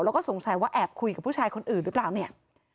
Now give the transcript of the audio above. แล้วก็สงสัยว่าแอบคุยกับผู้ชายคนอื่นหรือเปล่าเนี่ย